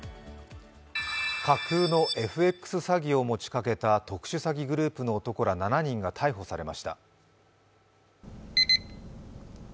架空のＦＸ投資を持ちかけた特殊詐欺グループの男ら７人が逮捕されました。